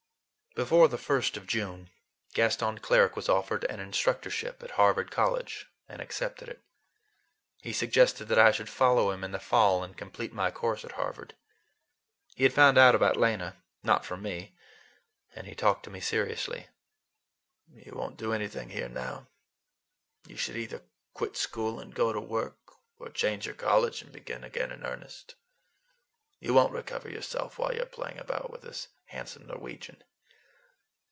Before the first of June, Gaston Cleric was offered an instructorship at Harvard College, and accepted it. He suggested that I should follow him in the fall, and complete my course at Harvard. He had found out about Lena—not from me—and he talked to me seriously. "You won't do anything here now. You should either quit school and go to work, or change your college and begin again in earnest. You won't recover yourself while you are playing about with this handsome Norwegian.